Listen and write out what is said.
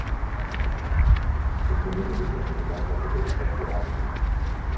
Questo metodo è stato impiegato anche per il terzo album.